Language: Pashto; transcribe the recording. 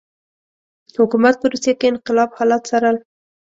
حکومت په روسیه کې انقلاب حالات څارل.